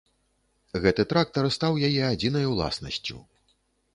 Гэты трактар стаў яе адзінай уласнасцю.